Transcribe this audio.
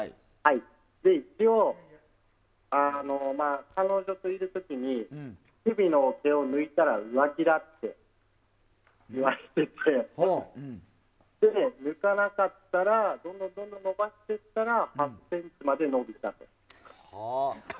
一応、彼女といる時に乳首の毛を抜いたら浮気だって言われていてそれで抜かなかったらどんどん伸ばしていったら８ｃｍまで伸びたと。